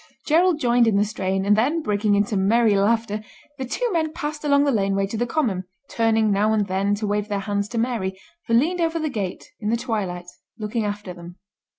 Gerald joined in the strain, and then, breaking into merry laughter, the two men passed along the laneway to the common, turning now and then to wave their hands to Mary, who leaned over the gate, in the twilight, looking after them.